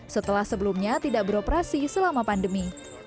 setelah sebelumnya tidak beroperasi selama pandemi